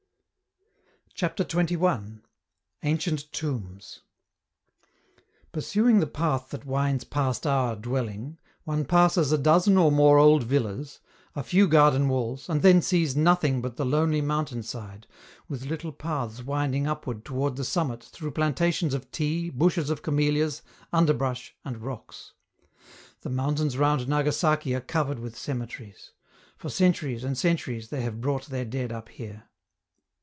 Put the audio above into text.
CHAPTER XXI. ANCIENT TOMBS Pursuing the path that winds past our, dwelling, one passes a dozen or more old villas, a few garden walls, and then sees nothing but the lonely mountain side, with little paths winding upward toward the summit through plantations of tea, bushes of camellias, underbrush, and rocks. The mountains round Nagasaki are covered with cemeteries; for centuries and centuries they have brought their dead up here.